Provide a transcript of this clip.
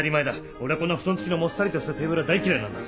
俺はこんな布団つきのもっさりとしたテーブルは大嫌いなんだ。